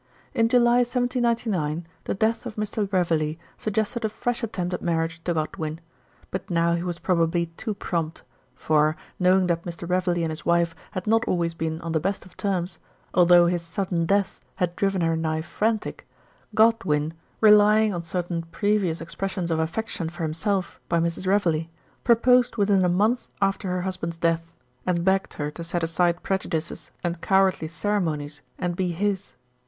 In July 1799, the death of Mr. Reveley suggested a fresh attempt at marriage to Godwin ; but now he was probably too prompt, for, knowing that Mr. Reveley and his wife had not always been on the best of terms, although his sudden death had driven her nigh frantic, Godwin, relying on certain previous expressions of affection for himself by Mrs. Reveley, proposed within a month after her husband's death, and begged her to set aside prejudices and cowardly cere monies and be his.